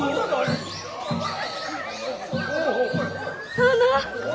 殿。